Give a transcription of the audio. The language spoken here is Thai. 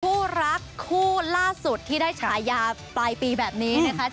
คู่รักคู่ล่าสุดที่ได้ฉายาปลายปีแบบนี้นะคะ